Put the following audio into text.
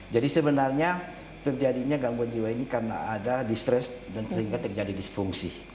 jadi sebenarnya terjadinya gangguan jiwa ini karena ada distress dan sehingga terjadi disfungsi